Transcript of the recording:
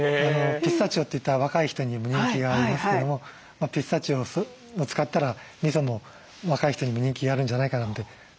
ピスタチオといったら若い人に人気がありますけどもピスタチオを使ったらみそも若い人にも人気があるんじゃないかなと思って。